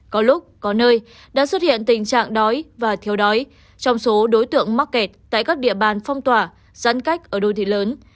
có lúc có nơi đã xuất hiện tình trạng đói và thiếu đói trong số đối tượng mắc kẹt tại các địa bàn phong tỏa giãn cách ở đô thị lớn